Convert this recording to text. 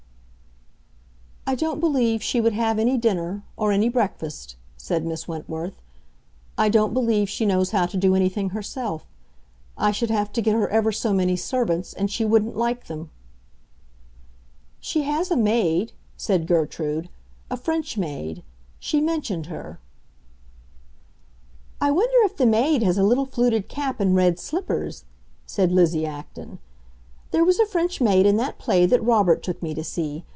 "I don't believe she would have any dinner—or any breakfast," said Miss Wentworth. "I don't believe she knows how to do anything herself. I should have to get her ever so many servants, and she wouldn't like them." "She has a maid," said Gertrude; "a French maid. She mentioned her." "I wonder if the maid has a little fluted cap and red slippers," said Lizzie Acton. "There was a French maid in that play that Robert took me to see.